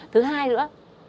thứ hai nữa